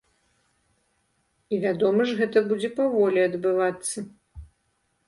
І, вядома ж, гэта будзе паволі адбывацца.